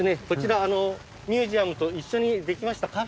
こちらミュージアムと一緒に出来ました